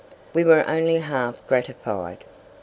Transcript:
We were only half gratified.